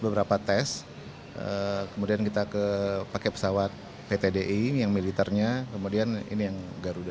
beberapa tes kemudian kita ke pakai pesawat pt di yang militernya kemudian ini yang garuda